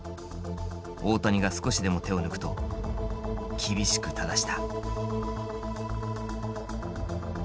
大谷が少しでも手を抜くと厳しく正した。